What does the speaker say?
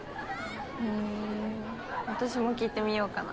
へぇ私も聞いてみようかな。